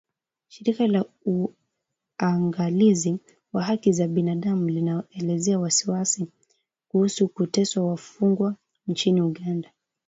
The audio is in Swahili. Shirika la uangalizi wa haki za binadamu linaelezea wasiwasi kuhusu kuteswa wafungwa nchini Uganda.